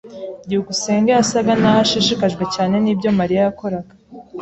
byukusenge yasaga naho ashishikajwe cyane nibyo Mariya yakoraga.